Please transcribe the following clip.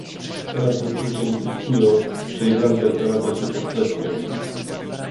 Teraz niektórzy utyskują, że Irlandia znalazła się pod presją